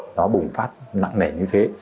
nó bùng phát nặng nẻ như thế